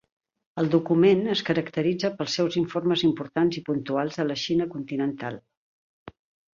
El document es caracteritza pels seus informes importants i puntuals de la Xina continental.